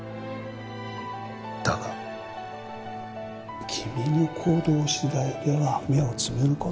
だが君の行動次第では目をつむる事もできる。